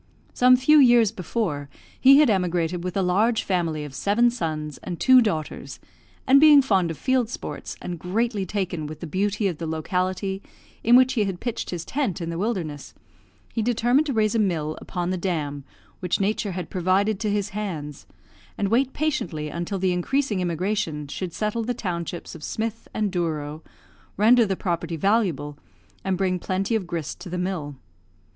Some few years before, he had emigrated with a large family of seven sons and two daughters, and being fond of field sports, and greatly taken with the beauty of the locality in which he had pitched his tent in the wilderness, he determined to raise a mill upon the dam which Nature had provided to his hands, and wait patiently until the increasing immigration should settle the townships of Smith and Douro, render the property valuable, and bring plenty of grist to the mill.